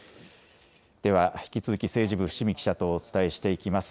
では引き続き、政治部、伏見記者とお伝えしていきます。